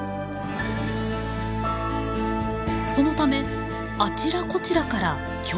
そのためあちらこちらから強風が吹きます。